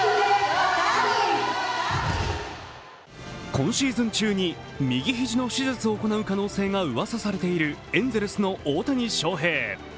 今シーズン中に右肘の手術を行う可能性がうわさされている、エンゼルスの大谷翔平。